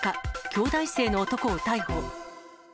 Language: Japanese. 京大生の男を逮捕。